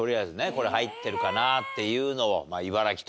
これ入ってるかなっていうのを茨城と言えば。